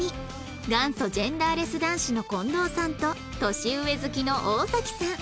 元祖ジェンダーレス男子のこんどうさんと年上好きの大崎さん